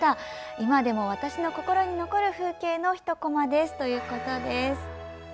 今でも私の心に残る風景の一こまですということです。